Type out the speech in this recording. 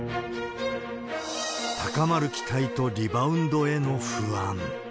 高まる期待とリバウンドへの不安。